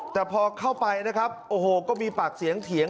แต่พอเข้าไปนะครับโอ้โหก็มีปากเสียงเถียง